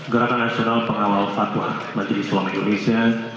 gerakan nasional pengawal fatwa majelis ulama indonesia